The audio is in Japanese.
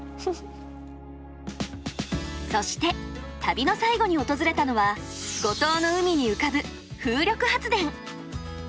そして旅の最後に訪れたのは五島の海に浮かぶ風力発電。